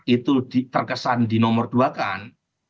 itu terkesan di nomor dua kan